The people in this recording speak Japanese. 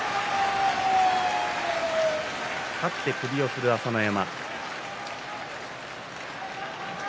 勝って首を振る朝乃山。